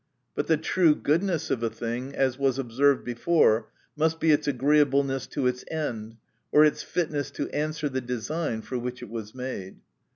— But the true goodness of a thing (as was observed before) must be its agreeableness to its end, or its fitness to answer the design for which it was made.